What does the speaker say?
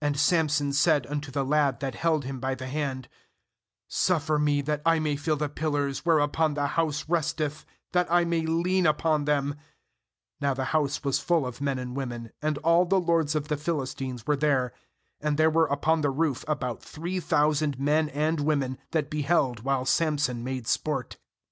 26And jSamson said unto the lad that held him, by the hand :' Suffer me that I may feel the pillars whereupon the house resteth, that I may lean upon them/ 27Now the house was full of men "and women; and all the lords of the Philistines were there; and there were upon the roof about three thou sand men and women, that beheld while Samson made sport.